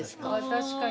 確かにな。